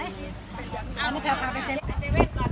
สวัสดีครับคุณพลาด